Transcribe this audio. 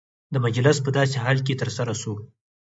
دا مجلس په داسي حال کي ترسره سو،